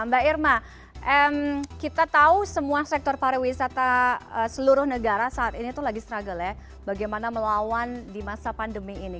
mbak irma kita tahu semua sektor pariwisata seluruh negara saat ini tuh lagi struggle ya bagaimana melawan di masa pandemi ini